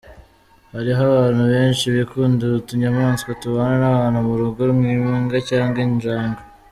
Hariho abantu benshi bikundira utunyamaswa tubana n’abantu mu rugo nk’imbwa cyangwa injangwe.